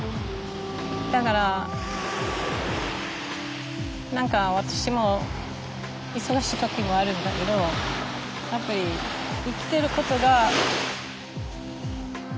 だから何か私も忙しい時もあるんだけどやっぱり生きてる事がうれしい事よね。